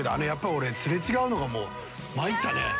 やっぱ俺すれ違うのがもうまいったね。